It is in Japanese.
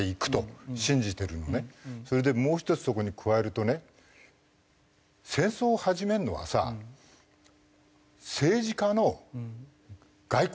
それでもう１つそこに加えるとね戦争を始めるのはさ政治家の外交の失敗だからね。